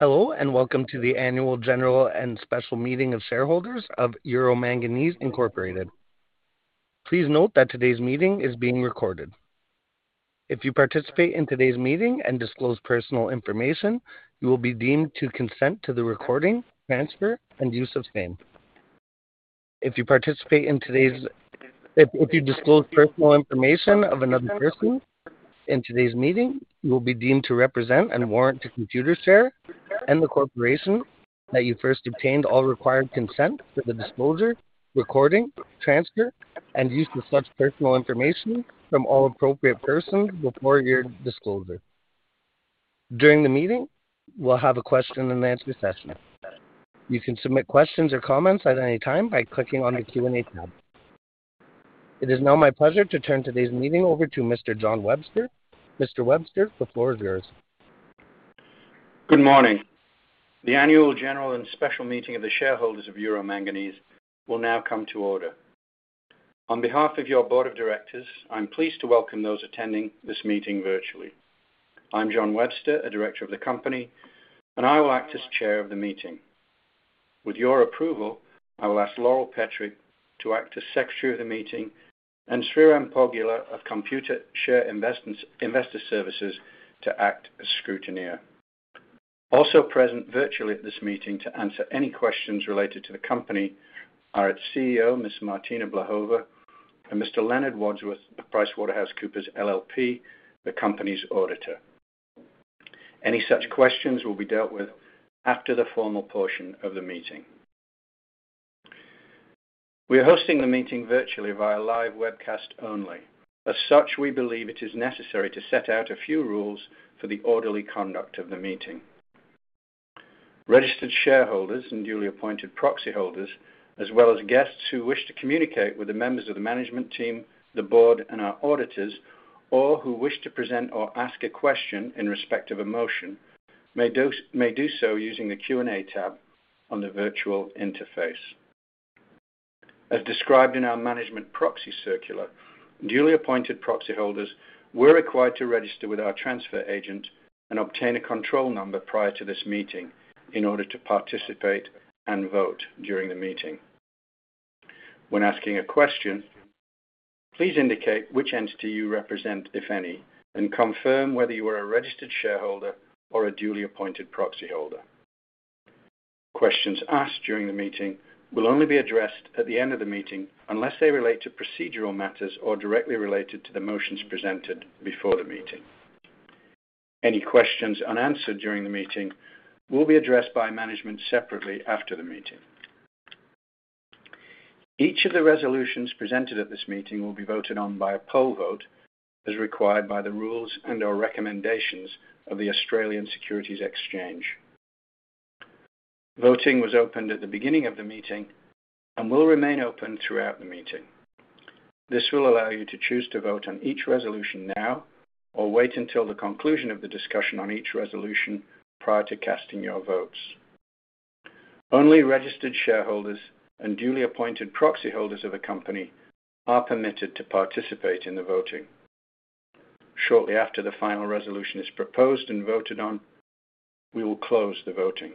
Hello, and welcome to the annual general and special meeting of shareholders of Euro Manganese Incorporated. Please note that today's meeting is being recorded. If you participate in today's meeting and disclose personal information, you will be deemed to consent to the recording, transfer, and use of same. If you participate in today's—if you disclose personal information of another person in today's meeting, you will be deemed to represent and warrant to Computershare and the corporation that you first obtained all required consent for the disclosure, recording, transfer, and use of such personal information from all appropriate persons before your disclosure. During the meeting, we'll have a question-and-answer session. You can submit questions or comments at any time by clicking on the Q&A tab. It is now my pleasure to turn today's meeting over to Mr. John Webster. Mr. Webster, the floor is yours. Good morning. The annual general and special meeting of the shareholders of Euro Manganese will now come to order. On behalf of your board of directors, I'm pleased to welcome those attending this meeting virtually. I'm John Webster, a director of the company, and I will act as chair of the meeting. With your approval, I will ask Laurel Petric to act as secretary of the meeting and Sriram Poggela of Computershare Investor Services to act as scrutineer. Also present virtually at this meeting to answer any questions related to the company are its CEO, Ms. Martina Blahova, and Mr. Leonard Wadsworth of PricewaterhouseCoopers LLP, the company's auditor. Any such questions will be dealt with after the formal portion of the meeting. We are hosting the meeting virtually via live webcast only. As such, we believe it is necessary to set out a few rules for the orderly conduct of the meeting. Registered shareholders and duly appointed proxy holders, as well as guests who wish to communicate with the members of the management team, the board, and our auditors, or who wish to present or ask a question in respect of a motion, may do so using the Q&A tab on the virtual interface. As described in our management proxy circular, duly appointed proxy holders were required to register with our transfer agent and obtain a control number prior to this meeting in order to participate and vote during the meeting. When asking a question, please indicate which entity you represent, if any, and confirm whether you are a registered shareholder or a duly appointed proxy holder. Questions asked during the meeting will only be addressed at the end of the meeting unless they relate to procedural matters or directly relate to the motions presented before the meeting. Any questions unanswered during the meeting will be addressed by management separately after the meeting. Each of the resolutions presented at this meeting will be voted on by a poll vote as required by the rules and/or recommendations of the Australian Securities Exchange. Voting was opened at the beginning of the meeting and will remain open throughout the meeting. This will allow you to choose to vote on each resolution now or wait until the conclusion of the discussion on each resolution prior to casting your votes. Only registered shareholders and duly appointed proxy holders of the company are permitted to participate in the voting. Shortly after the final resolution is proposed and voted on, we will close the voting.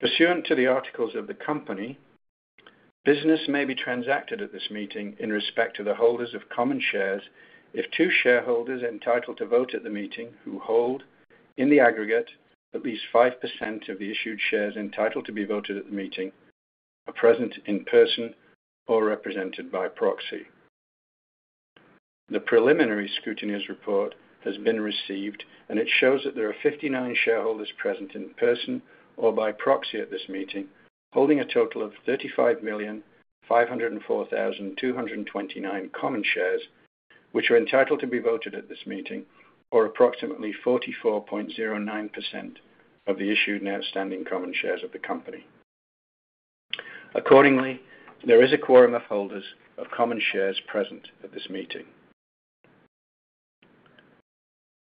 Pursuant to the articles of the company, business may be transacted at this meeting in respect to the holders of common shares if two shareholders entitled to vote at the meeting who hold, in the aggregate, at least 5% of the issued shares entitled to be voted at the meeting are present in person or represented by proxy. The preliminary scrutineer's report has been received, and it shows that there are 59 shareholders present in person or by proxy at this meeting holding a total of 35,504,229 common shares, which are entitled to be voted at this meeting, or approximately 44.09% of the issued and outstanding common shares of the company. Accordingly, there is a quorum of holders of common shares present at this meeting.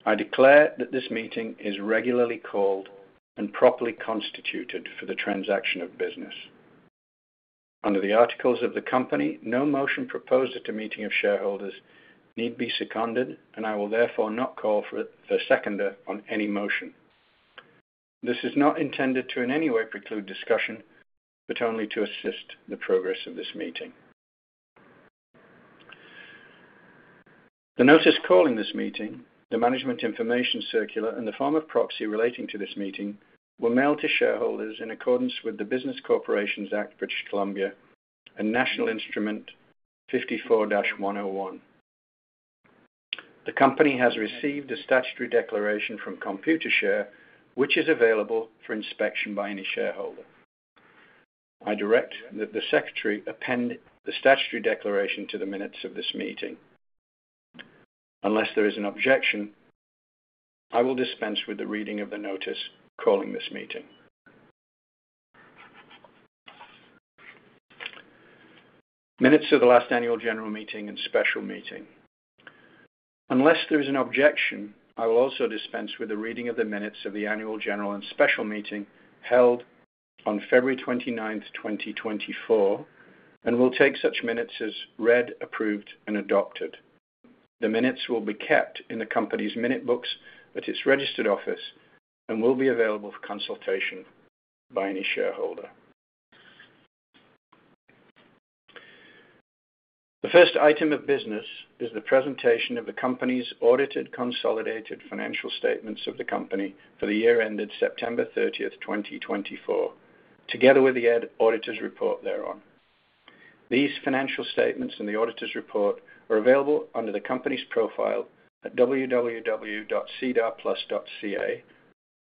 I declare that this meeting is regularly called and properly constituted for the transaction of business. Under the articles of the company, no motion proposed at a meeting of shareholders need be seconded, and I will therefore not call for a seconder on any motion. This is not intended to in any way preclude discussion, but only to assist the progress of this meeting. The notice calling this meeting, the management information circular, and the form of proxy relating to this meeting were mailed to shareholders in accordance with the Business Corporations Act, British Columbia, and National Instrument 54-101. The company has received a statutory declaration from Computershare, which is available for inspection by any shareholder. I direct that the secretary append the statutory declaration to the minutes of this meeting. Unless there is an objection, I will dispense with the reading of the notice calling this meeting. Minutes of the last annual general meeting and special meeting. Unless there is an objection, I will also dispense with the reading of the minutes of the annual general and special meeting held on February 29, 2024, and will take such minutes as read, approved, and adopted. The minutes will be kept in the company's minute books at its registered office and will be available for consultation by any shareholder. The first item of business is the presentation of the company's audited consolidated financial statements of the company for the year ended September 30, 2024, together with the auditor's report thereon. These financial statements and the auditor's report are available under the company's profile at www.cdarplus.ca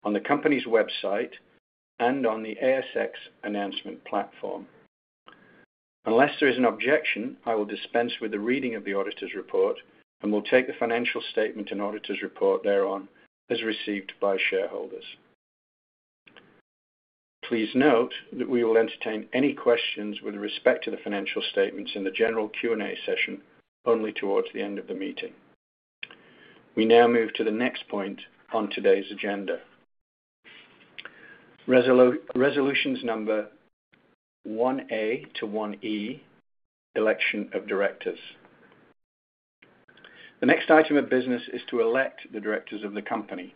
on the company's website and on the ASX announcement platform. Unless there is an objection, I will dispense with the reading of the auditor's report and will take the financial statement and auditor's report thereon as received by shareholders. Please note that we will entertain any questions with respect to the financial statements in the general Q&A session only towards the end of the meeting. We now move to the next point on today's agenda. Resolutions number 1A to 1E, election of directors. The next item of business is to elect the directors of the company.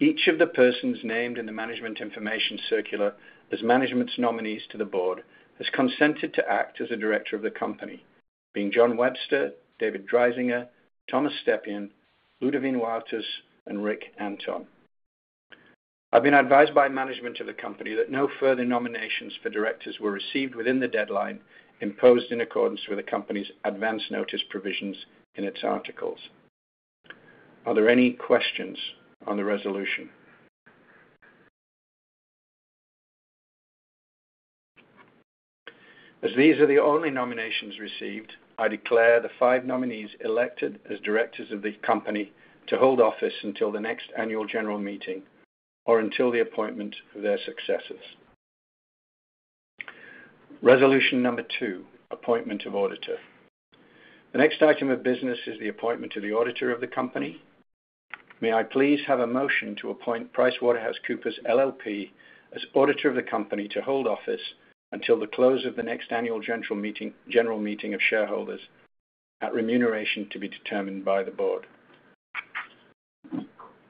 Each of the persons named in the management information circular as management's nominees to the board has consented to act as a director of the company, being John Webster, David Dreisinger, Thomas Stepien, Ludovine Wauters, and Rick Anton. I've been advised by management of the company that no further nominations for directors were received within the deadline imposed in accordance with the company's advance notice provisions in its articles. Are there any questions on the resolution? As these are the only nominations received, I declare the five nominees elected as directors of the company to hold office until the next annual general meeting or until the appointment of their successors. Resolution number two, appointment of auditor. The next item of business is the appointment of the auditor of the company. May I please have a motion to appoint PricewaterhouseCoopers LLP as auditor of the company to hold office until the close of the next annual general meeting of shareholders at remuneration to be determined by the board?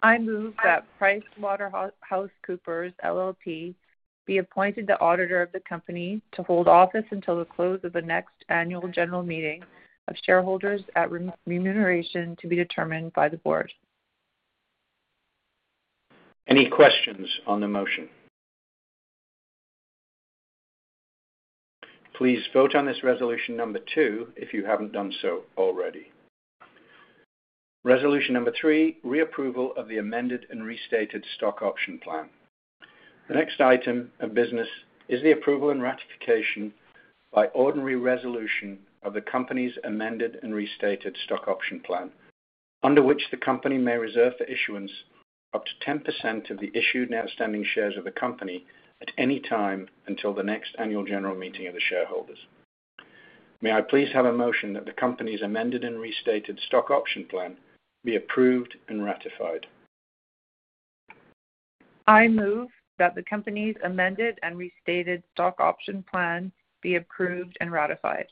I move that PricewaterhouseCoopers LLP be appointed the auditor of the company to hold office until the close of the next annual general meeting of shareholders at remuneration to be determined by the board. Any questions on the motion? Please vote on this resolution number two if you haven't done so already. Resolution number three, reapproval of the Amended and Restated Stock Option Plan. The next item of business is the approval and ratification by ordinary resolution of the company's Amended and Restated Stock Option Plan, under which the company may reserve for issuance up to 10% of the issued and outstanding shares of the company at any time until the next annual general meeting of the shareholders. May I please have a motion that the company's Amended and Restated Stock Option Plan be approved and ratified? I move that the company's Amended and Restated Stock Option Plan be approved and ratified.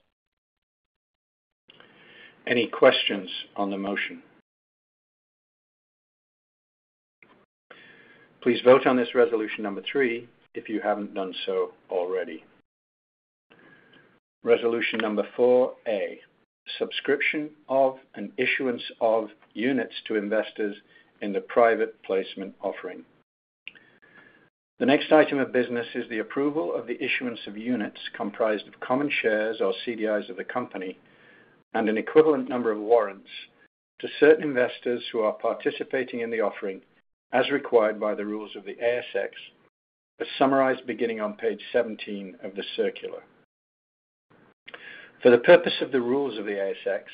Any questions on the motion? Please vote on this resolution number three if you haven't done so already. Resolution number four, a subscription of and issuance of units to investors in the private placement offering. The next item of business is the approval of the issuance of units comprised of common shares or CDIs of the company and an equivalent number of warrants to certain investors who are participating in the offering as required by the rules of the ASX, as summarized beginning on page 17 of the circular. For the purpose of the rules of the ASX,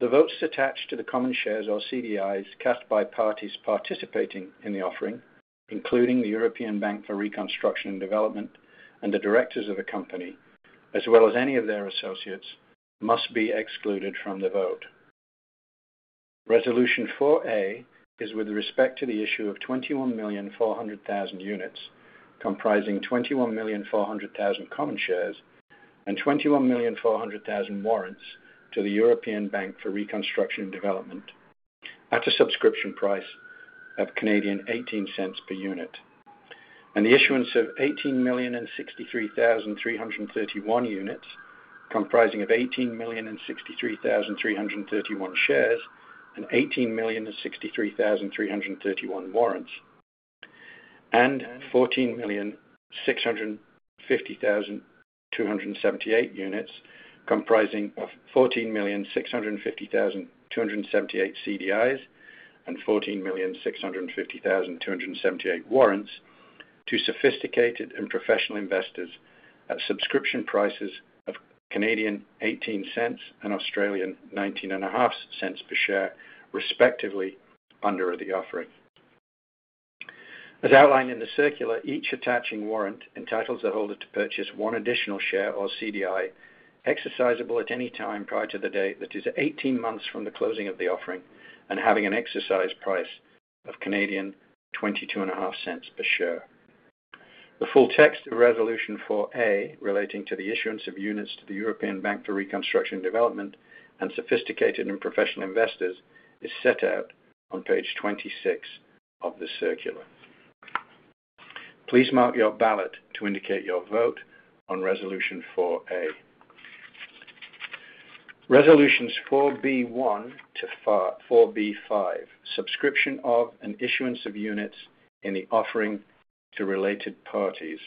the votes attached to the common shares or CDIs cast by parties participating in the offering, including the European Bank for Reconstruction and Development and the directors of the company, as well as any of their associates, must be excluded from the vote. Resolution 4A is with respect to the issue of 21,400,000 units comprising 21,400,000 common shares and 21,400,000 warrants to the European Bank for Reconstruction and Development at a subscription price of 0.18 per unit, and the issuance of 18,063,331 units comprising 18,063,331 shares and 18,063,331 warrants, and 14,650,278 units comprising 14,650,278 CDIs and 14,650,278 warrants to sophisticated and professional investors at subscription prices of 0.18 and 0.195 per share, respectively, under the offering. As outlined in the circular, each attaching warrant entitles the holder to purchase one additional share or CDI exercisable at any time prior to the date that is 18 months from the closing of the offering and having an exercise price of 0.225 per share. The full text of Resolution 4A relating to the issuance of units to the European Bank for Reconstruction and Development and sophisticated and professional investors is set out on page 26 of the circular. Please mark your ballot to indicate your vote on Resolution 4A. Resolutions 4B1 to 4B5, subscription of and issuance of units in the offering to related parties.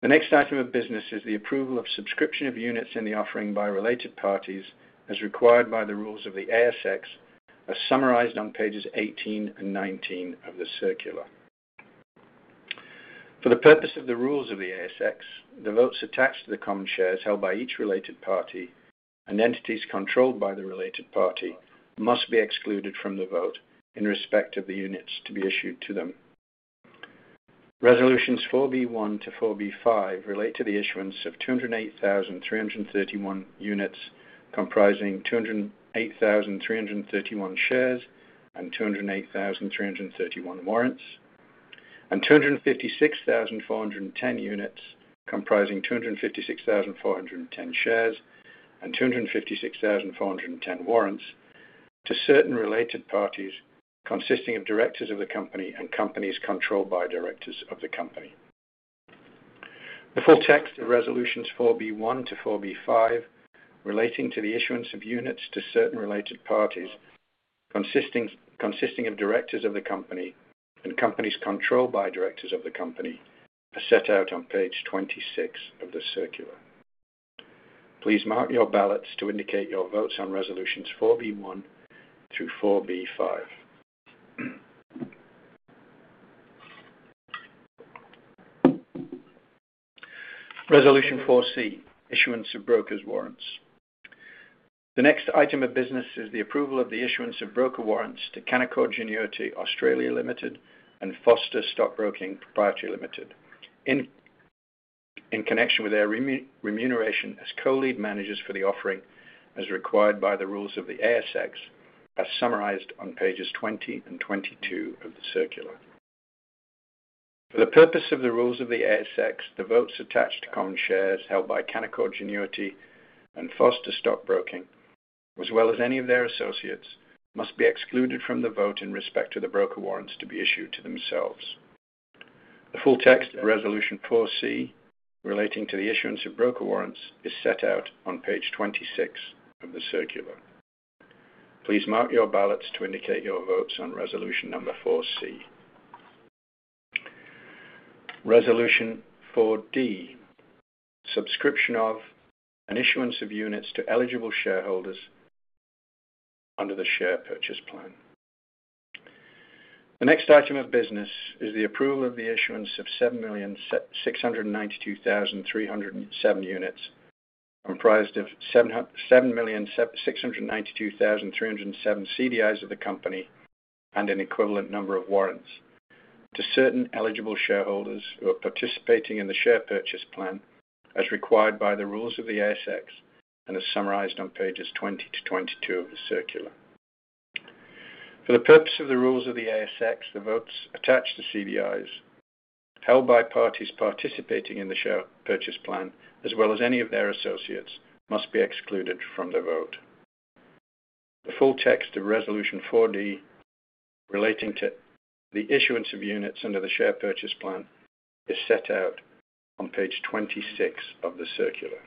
The next item of business is the approval of subscription of units in the offering by related parties, as required by the rules of the ASX, as summarized on pages 18 and 19 of the circular. For the purpose of the rules of the ASX, the votes attached to the common shares held by each related party and entities controlled by the related party must be excluded from the vote in respect of the units to be issued to them. Resolutions 4B1 to 4B5 relate to the issuance of 208,331 units comprising 208,331 shares and 208,331 warrants, and 256,410 units comprising 256,410 shares and 256,410 warrants to certain related parties consisting of directors of the company and companies controlled by directors of the company. The full text of Resolutions 4B1 to 4B5 relating to the issuance of units to certain related parties consisting of directors of the company and companies controlled by directors of the company is set out on page 26 of the circular. Please mark your ballots to indicate your votes on Resolutions 4B1 through 4B5. Resolution 4C, issuance of broker's warrants. The next item of business is the approval of the issuance of broker warrants to Canaccord Genuity Australia Limited and Foster Stockbroking Pty Ltd in connection with their remuneration as co-lead managers for the offering as required by the rules of the ASX, as summarized on pages 20 and 22 of the circular. For the purpose of the rules of the ASX, the votes attached to common shares held by Canaccord Genuity and Foster Stockbroking, as well as any of their associates, must be excluded from the vote in respect to the broker warrants to be issued to themselves. The full text of Resolution 4C relating to the issuance of broker warrants is set out on page 26 of the circular. Please mark your ballots to indicate your votes on Resolution number 4C. Resolution 4D, subscription of and issuance of units to eligible shareholders under the share purchase plan. The next item of business is the approval of the issuance of 7,692,307 units comprised of 7,692,307 CDIs of the company and an equivalent number of warrants to certain eligible shareholders who are participating in the share purchase plan as required by the rules of the ASX and as summarized on pages 20 to 22 of the circular. For the purpose of the rules of the ASX, the votes attached to CDIs held by parties participating in the share purchase plan, as well as any of their associates, must be excluded from the vote. The full text of Resolution 4D relating to the issuance of units under the share purchase plan is set out on page 26 of the circular.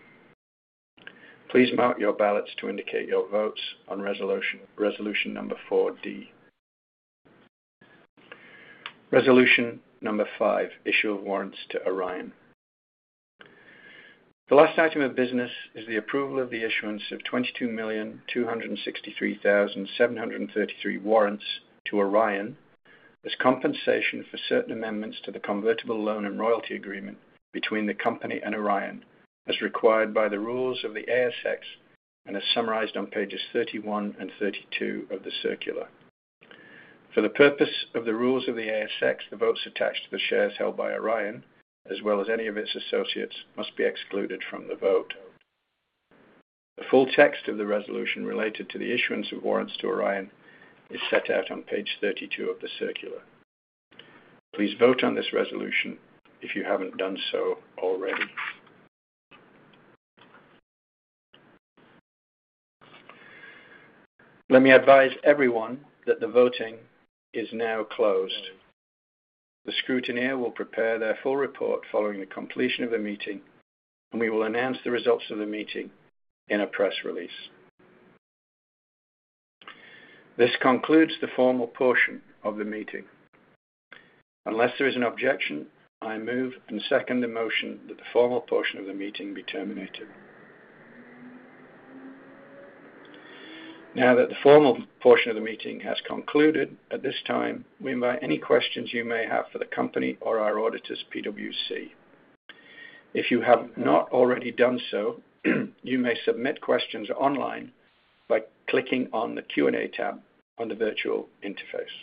Please mark your ballots to indicate your votes on Resolution number 4D. Resolution number five, issue of warrants to Orion. The last item of business is the approval of the issuance of 22,263,733 warrants to Orion as compensation for certain amendments to the convertible loan and royalty agreement between the company and Orion as required by the rules of the ASX and as summarized on pages 31 and 32 of the circular. For the purpose of the rules of the ASX, the votes attached to the shares held by Orion, as well as any of its associates, must be excluded from the vote. The full text of the resolution related to the issuance of warrants to Orion is set out on page 32 of the circular. Please vote on this resolution if you haven't done so already. Let me advise everyone that the voting is now closed. The scrutineer will prepare their full report following the completion of the meeting, and we will announce the results of the meeting in a press release. This concludes the formal portion of the meeting. Unless there is an objection, I move and second the motion that the formal portion of the meeting be terminated. Now that the formal portion of the meeting has concluded, at this time, we invite any questions you may have for the company or our auditors, PwC. If you have not already done so, you may submit questions online by clicking on the Q&A tab on the virtual interface.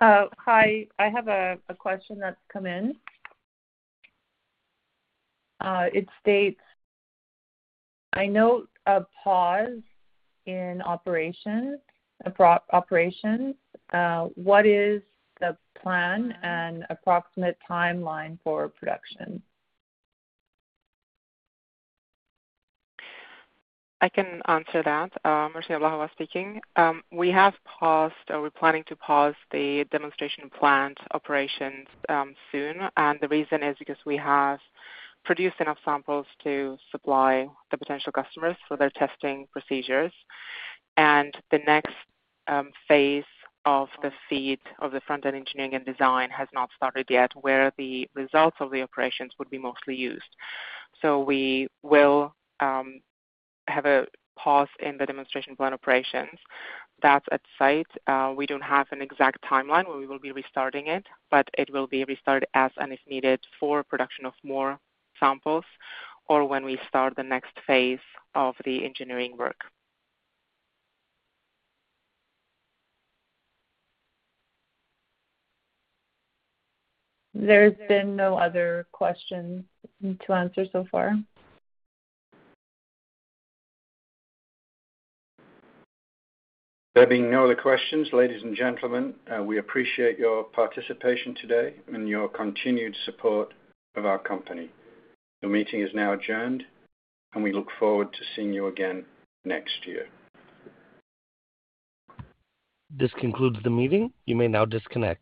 Hi. I have a question that's come in. It states, "I note a pause in operations. What is the plan and approximate timeline for production? I can answer that. Martina Blahova speaking. We have paused or we're planning to pause the demonstration plant operations soon, and the reason is because we have produced enough samples to supply the potential customers for their testing procedures. The next phase of the front-end engineering and design has not started yet, where the results of the operations would be mostly used. We will have a pause in the demonstration plant operations. That's at site. We don't have an exact timeline when we will be restarting it, but it will be restarted as and if needed for production of more samples or when we start the next phase of the engineering work. There's been no other questions to answer so far. There being no other questions, ladies and gentlemen, we appreciate your participation today and your continued support of our company. The meeting is now adjourned, and we look forward to seeing you again next year. This concludes the meeting. You may now disconnect.